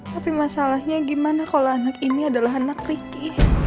tapi masalahnya gimana kalau anak ini adalah anak ricky